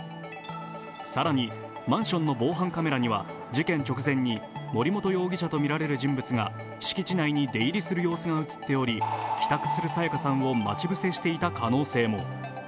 更に、マンションの防犯カメラには事件直前に森本容疑者とみられる人物が敷地内に出入りする様子が映っており帰宅する彩加さんを待ち伏せした可能性も。